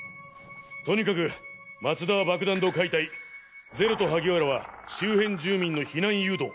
とにかく松田は爆弾の解体ゼロと萩原は周辺住民の避難誘導！